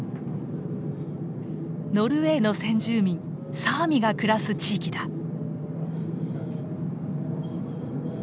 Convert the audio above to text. ノルウェーの先住民サーミが暮らす地域だ。